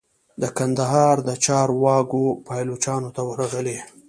د کندهار د چارو واګي پایلوچانو ته ورغلې.